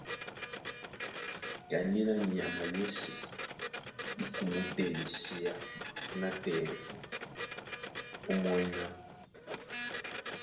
Kanyéná nyama yɛ́sɛ̄ í kumó tɛ́ miséá nátɛna ómɔ́ny ná: